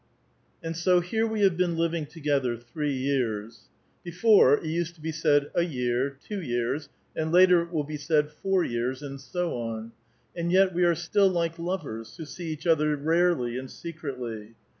XIV. " And bo here we have been living together three years " (before, it used to be said a year^ two years, and later it will be said four years, and so on), '' and yet we are still like lovers, who see each other rarely and secretly.